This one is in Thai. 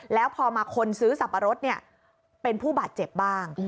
แล้วพอมาคนซื้อสับปะรดเป็นผู้บาดเจ็บบ้าง